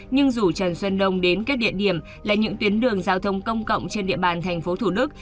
nhưng rủ trần xuân đông đến các địa điểm là những tuyến đường giao thông công cộng trên địa bàn tp thủ đức